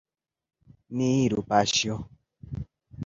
Ni iru, paĉjo.